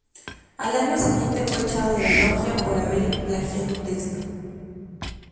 Al año siguiente fue echado de la logia por haber plagiado un texto.